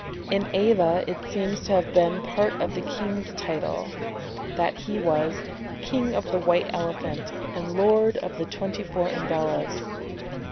In Ava it seems to have been part of the king's title, that he was "King of the white elephant, and Lord of the twenty four Umbrellas."